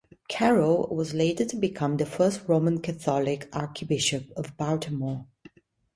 Carroll was later to become the first Roman Catholic archbishop of Baltimore.